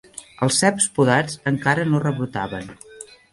Els ceps podats encara no rebrotaven